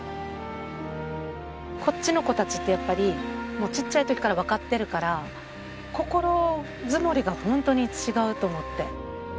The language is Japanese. こっちの子たちってやっぱりもうちっちゃい時からわかってるから心づもりがホントに違うと思って。